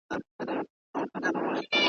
شا او مخي ته یې ووهل زورونه,